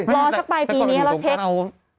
รอเฉพาะปลายปีนี้แล้วเช็ค